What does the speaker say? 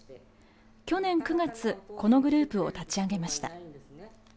去年９月このグループを立ち上げました。